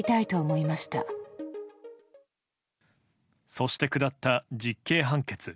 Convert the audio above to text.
そして下った実刑判決。